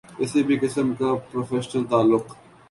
کسی بھی قسم کا پروفیشنل تعلق